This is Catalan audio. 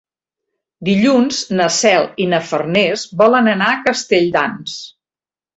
Dilluns na Cel i na Farners volen anar a Castelldans.